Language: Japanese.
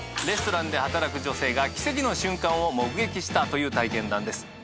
レストランで働く女性が奇跡の瞬間を目撃したという体験談です。